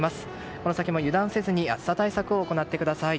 この先も油断せずに暑さ対策を行ってください。